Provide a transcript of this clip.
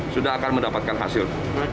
sudah akan mendapatkan hasil